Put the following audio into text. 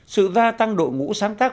sự gia tăng đội ngũ sáng tác